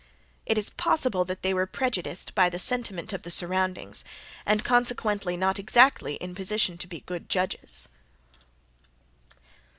It is possible that they were prejudiced by the sentiment of the surroundings and consequently not exactly in position to be good judges.